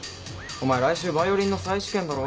お前来週バイオリンの再試験だろ？